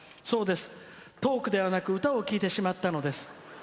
そうです、トークではなく歌を聴いてしまったのです。